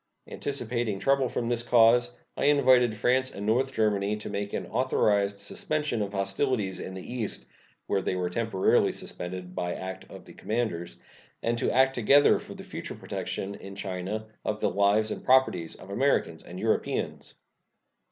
Anticipating trouble from this cause, I invited France and North Germany to make an authorized suspension of hostilities in the East (where they were temporarily suspended by act of the commanders), and to act together for the future protection in China of the lives and properties of Americans and Europeans.